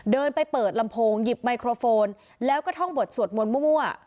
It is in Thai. เดินไปเปิดลำโพงหยิบไมโครโฟนแล้วก็ท่องบทสวดมนต์มั่ว